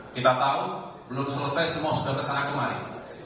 kita tahu belum selesai semua sudah kesana kemarin